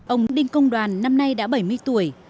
ông đinh công đoàn năm nay đã bảy mươi tuổi